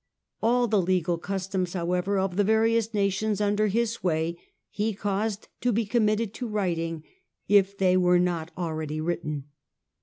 All the legal customs, however, of the various nations under his sway, he cauFed to be committed to writing, if they were not already written."